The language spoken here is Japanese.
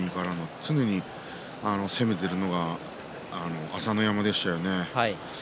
常に攻めているのが朝乃山でしたね。